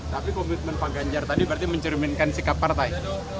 tapi komitmen pak ganjar tadi berarti mencerminkan sikap partai